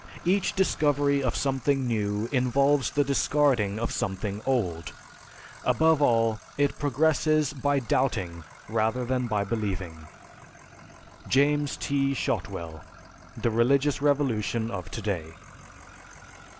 Each discovery of something new involves the discarding of something old. Above all, it progresses by doubting rather than by believing." (_James T. Shotwell: "The Religious Revolution of To day."